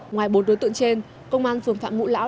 ngoài bốn đối tượng trên công an phường phạm ngũ lão